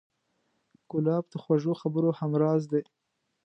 ګلاب د خوږو خبرو همراز دی.